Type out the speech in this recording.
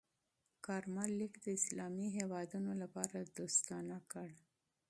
کارمل لیک د اسلامي هېوادونو لپاره دوستانه کړ.